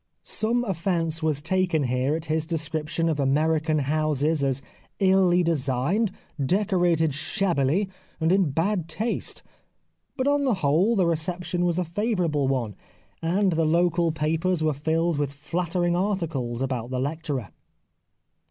Some offence was taken here at his description of American houses as " illy designed, decorated shabbily, and in bad taste" ; but on the whole the reception was a favourable one, and the local o 209 The Life of Oscar Wilde papers were filled with flattering articles about the lecturer.